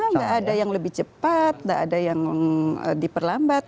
tidak ada yang lebih cepat tidak ada yang diperlambat